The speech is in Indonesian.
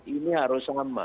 ini harus ngema